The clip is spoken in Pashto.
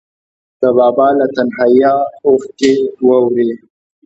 د بابا له تنهاییه اوښکې ووري